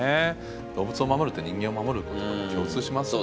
動物を守るって人間を守ることとも共通しますもんね。